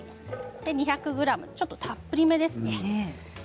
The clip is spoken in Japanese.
２００ｇ、ちょっとたっぷりめですね。